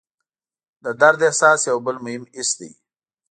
د درد احساس یو بل مهم حس دی.